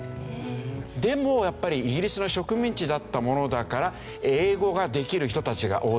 でもやっぱりイギリスの植民地だったものだから英語ができる人たちが大勢いる。